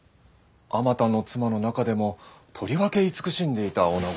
あまたの妻の中でもとりわけいつくしんでいたおなご。